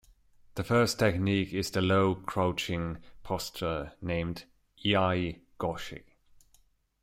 The first technique is the low crouching posture named "iai-goshi".